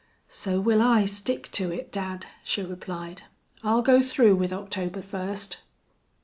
"So will I stick to it, dad," she replied. "I'll go through with October first!"